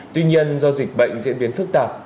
tuy nhiên do dịch bệnh diễn biến phức tạp